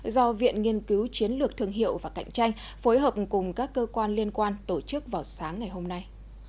do viện nghiên cứu chiến lược thương hiệu và cạnh tranh phối hợp cùng các cơ quan liên quan tổ chức vào sáng ngày hôm nay